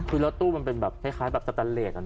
คือแล้วตู้มันเป็นแบบคล้ายแบบสตานเลสอะเนอะ